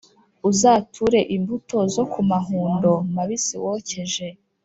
uzature imbuto zo ku mahundo mabisi wokeje